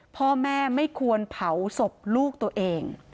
พ่อแม่ไม่ควรเผาศพลูกตัวเอง